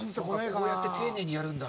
こうやって丁寧にやるんだ。